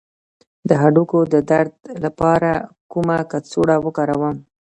د هډوکو د درد لپاره کومه کڅوړه وکاروم؟